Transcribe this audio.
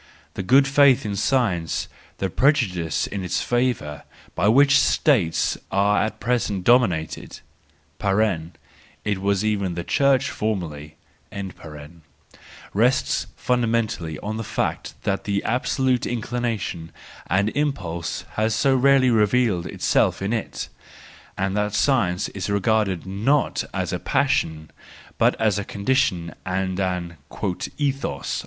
The good faith in science, the prejudice in its favour, by which States are at present dominated (it was even the Church formerly), rests fundamentally on the fact that the absolute inclination and impulse has so rarely revealed itself in it, and that science is regarded not as a passion, but as a condition and an " ethos."